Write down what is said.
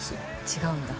違うんだ。